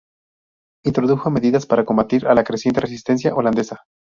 Introdujo medidas para combatir a la creciente resistencia holandesa.